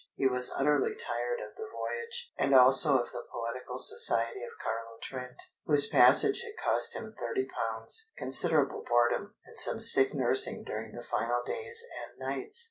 He was utterly tired of the voyage, and also of the poetical society of Carlo Trent, whose passage had cost him thirty pounds, considerable boredom, and some sick nursing during the final days and nights.